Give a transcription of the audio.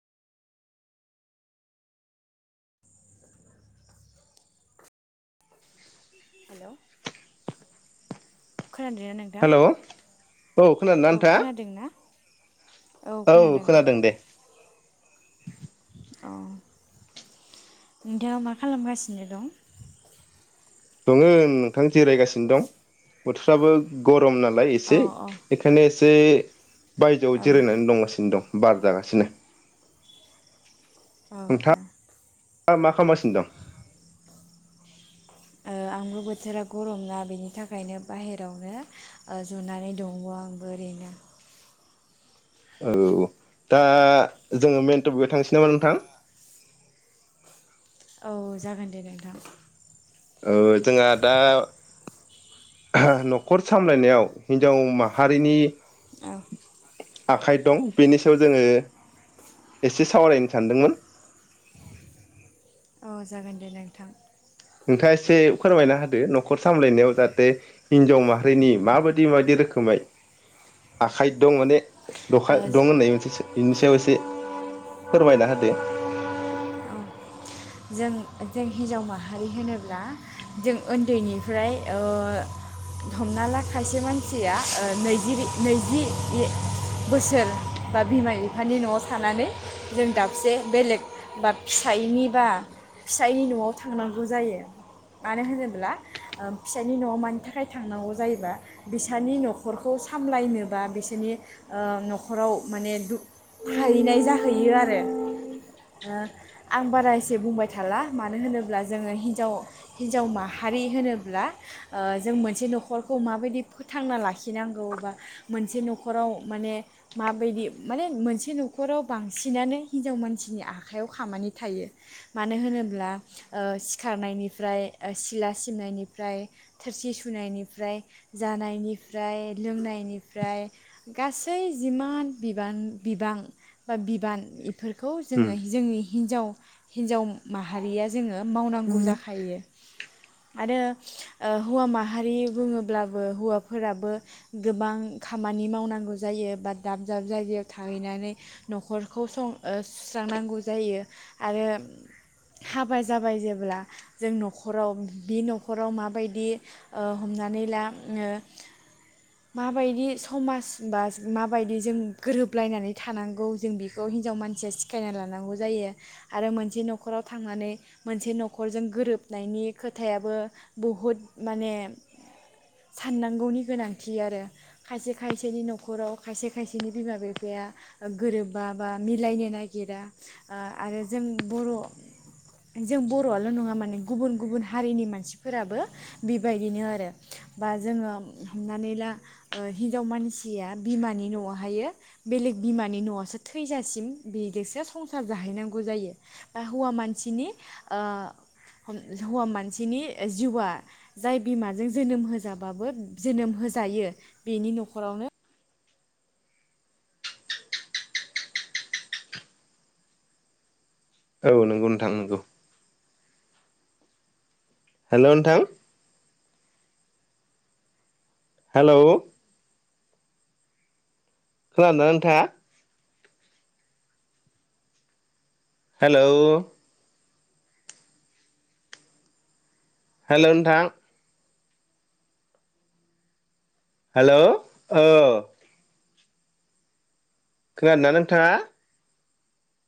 Hello खोनानदोंना नोंथां। Hello औ खोनादों ना औ नोंथाङा? खोनादों ना? औ खोनादों दे। [inaudible] अ नोंथाङा मा खालामगासिनो दं? दङ नोंथां जिरायगासिनो दं बोथोरफ्राबो गथ नालाय अ इसे एखायनो से बायजोआव औ जिरायनानै दंगासिनो दं। बार जागासि नो औ औ। दा मा खालामासिनो दं। ओ आंबो बोथोरा गरम ना बेनि थाखायनो बाहेरावनो ओ जनानै दं आंबो ओरैनो। औ दा जोङो मेन थफिगआव थांसै नामा नोंथां? औ जागोन दे नोंथां। ओ जोंहा दा न'खर सामलायनायाव हिनजाव माहारिनि औ आखाइ दं बिनि सायाव जोङो एसे सावरायनो सानदोंमोन। अ जागोन दे नोंथां। नोंथाङा एसे फोरमायना होदो न'खर सामलायनायाव जाहाथे हिनजाव माहारिनि माबायदि माबायदि रोखोमै आखाइ दं माने दखा ओ दं होननाय मोनसेसो बिनि सायाव एसे फोरमायना होदो जों जों हिनजाव माहारि होनोब्ला जों ओन्दैनिफ्राय ओ हमना ला खायसे मानसिया ओ नैजिरि नैजि इ बोसोर बा बिमा बिफानि न'आव थानानै जों दाबसे बेलेग बा फिसायनि बा फिसायनि न'आव थांनांगौ जायो मानो होनोब्ला ओ फिसायनि न'आव मानि थाखाय थांनांगौ जायोबा बिसानि न'खरखौ सामलायनोबा बिसोरनि ओ न'खराव माने दुख हाहैनाय जाहैयो आरो ओ आं बारा एसे बुंबाय थाला मानो होनोब्ला जोङो हिनजाव हिनजाव माहारि होनोब्ला ओ जों मोनसे न'खरखौ माबायदि फोथांना लाखिनांगौ बा मोनसे न'खराव माने माबायदि माने मोनसे न'खराव बांसिनानो हिनजाव मानसिनि आखाइयाव खामानि थायो। मानो होनोब्ला ओ सिखारनायनिफ्राय ओ सिला सिबनायनिफ्राय थोरसि सुनायनिफ्राय जानायनिफ्राय लोंनायनिफ्राय गासै जिमान बिबान बिबां बा बिबान इफोरखौ उम जोङो जोंनि हिनजाव हिनजाव माहारिया जोङो मावनांगौ जाखायो आरो ओ हौवा माहारि बुङोब्लाबो हौवाफोराबो गोबां खामानि मावनांगौ जायो बा दाब दाब जायगायाव थाहैनानै न'खरखौ सं ओ सुस्रांनांगौ जायो आरो हाबा जाबाय जेब्ला जों न'खराव बि न'खराव माबायदि ओ हमनानै ला ओ माबायदि समाज बा माबायदि जों गोरोबलायनानै थानांगौ जों बेखौ हिनजाव मानसिया सिखायना लानांगौ जायो आरो मोन मोनसे न'खराव थांनानै मोनसे न'खरजों गोरोबनायनि खोथायाबो बहुद माने साननांगौनि गोनांथि आरो खायसे खायसेनि न'खराव खायसे खायसेनि बिमा बिफाया गोरोबा बा मिलायनो नागिरा ओ आरो जों बर' जों बर'आल' नङा माने गुबुन गुबुन हारिनि मानसिफोराबो बेबायदिनो आरो बा जोङो हमनानै ला ओ हिनजाव मानसिया बिमानि न'आवहायो बेलेग बिमानि न'आवसो थैजासिम बेगेसो संसार जाहैनांगौ जायो। बा हौवा मानसिनि ओ हम हौवा मानसिनि जिउआ जाय बिमाजों जोनोम होजाबाबो जोनोम होजायो बेनि न'खरावनो औ नोंगौ नोंथां नोंगौ। हेलौ नोंथां? हेलौ खोनादोंना नोंथाङा? हेलौ हेलौ नोंथां हेलौ औ खोनादोंना नोंथाङा?